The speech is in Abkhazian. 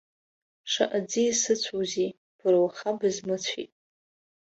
Шаҟа ӡиас ыцәоузеи, бара уаха бызмыцәеит.